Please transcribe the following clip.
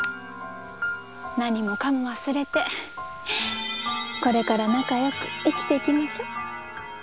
何もかも忘れてこれから仲良く生きていきましょう。